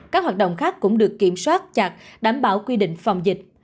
các hoạt động khác cũng được kiểm soát chặt đảm bảo quy định phòng dịch